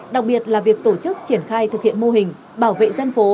đặc biệt là việc tổ chức triển khai thực hiện mô hình bảo vệ dân phố